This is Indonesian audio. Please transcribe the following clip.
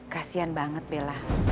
kasian banget bella